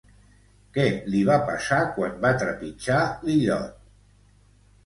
Què li va passar quan va trepitjar l'illot?